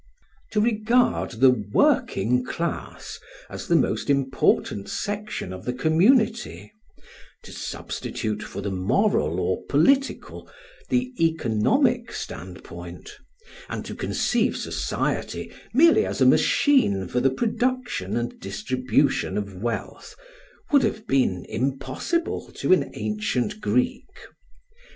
To regard the "working class" as the most important section of the community, to substitute for the moral or political the economic standpoint, and to conceive society merely as a machine for the production and distribution of wealth, would have been impossible to an ancient Greek.